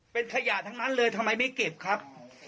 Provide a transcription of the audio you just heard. เป็นขยะทั้งนั้นเลยทำไมไม่เก็บครับ